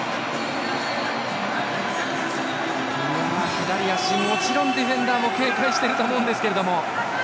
左足、もちろんディフェンダーもケアしていると思うんですが。